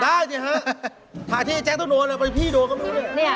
ได้สิฮะถ้าที่แจ๊กต้องโดนแต่พี่โดนก็ไม่ได้